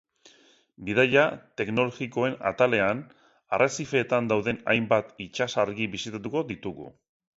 Bidaia teknologikoen atalean, arrezifeetan dauden hainbat itsasargi bisitatuko ditugu.